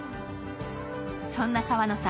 そんな川野さん